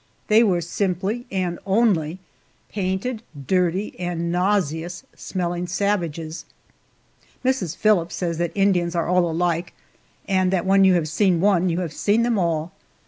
They were simply, and only, painted, dirty, and nauseous smelling savages! Mrs. Phillips says that Indians are all alike that when you have seen one you have seen all.